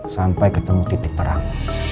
sampai ketemu titik terang